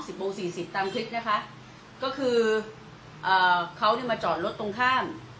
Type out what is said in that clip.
โมงสี่สิบตามคลิปนะคะก็คืออ่าเขาเนี่ยมาจอดรถตรงข้าม